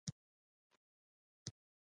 د شنې ساحې اصغري عرض شپږ متره دی